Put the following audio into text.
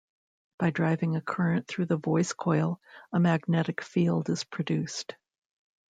By driving a current through the voice coil, a magnetic field is produced.